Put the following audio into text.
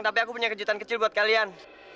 tapi aku punya kejutan kecil buat kalian